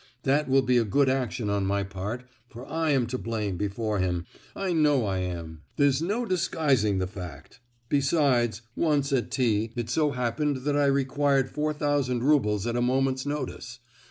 That will be a good action on my part, for I am to blame before him, I know I am; there's no disguising the fact! Besides, once at T——, it so happened that I required four thousand roubles at a moment's notice.